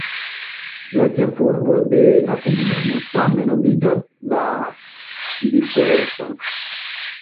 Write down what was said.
La ĉefurbo de la komunumo same nomiĝas La Libertad.